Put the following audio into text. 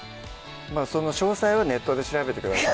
その詳細はネットで調べてください